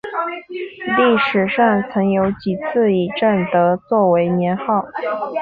历史上曾有几次以正德作为年号。